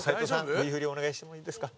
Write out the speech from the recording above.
Ｖ振りお願いしてもいいですか？